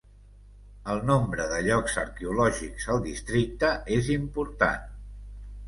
El nombre de llocs arqueològics al districte és important.